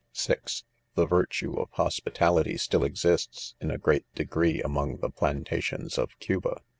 (6) The virtue of hospitality still exists, in a great de gree, among the plantations of Cuba.